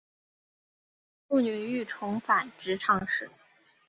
妇女欲重返职场时